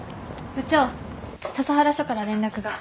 部長笹原署から連絡が。